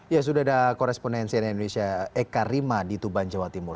ya sudah ada korespondensi dari indonesia eka rima di tuban jawa timur